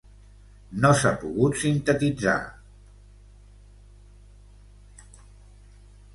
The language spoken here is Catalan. No s'ha pogut sintetitzar.